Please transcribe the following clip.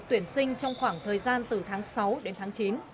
tuyển sinh trong khoảng thời gian từ tháng sáu đến tháng chín